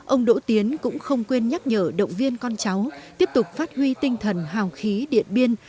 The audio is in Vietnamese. ông đỗ tiến cũng không quên nhắc nhở động viên con cháu tiếp tục phát huy tinh thần hào khí điện biên